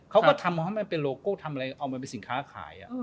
เขาก็ทำให้มันเป็นโลโก้ทำอะไรเอามันเป็นสินค้าขาย